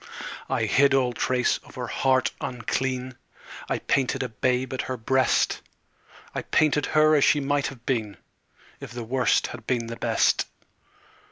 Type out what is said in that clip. I hid all trace of her heart unclean; I painted a babe at her breast; I painted her as she might have been If the Worst had been the Best.